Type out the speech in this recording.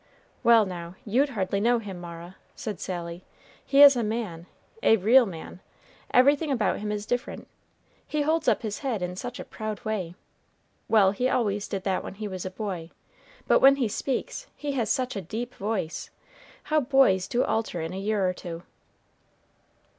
"Well, now, you'd hardly know him, Mara," said Sally. "He is a man a real man; everything about him is different; he holds up his head in such a proud way. Well, he always did that when he was a boy; but when he speaks, he has such a deep voice! How boys do alter in a year or two!"